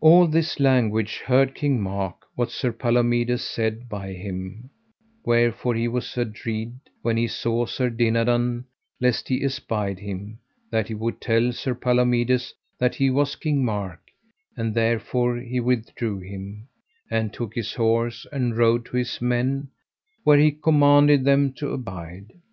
All this language heard King Mark, what Sir Palomides said by him; wherefore he was adread when he saw Sir Dinadan, lest he espied him, that he would tell Sir Palomides that he was King Mark; and therefore he withdrew him, and took his horse and rode to his men, where he commanded them to abide.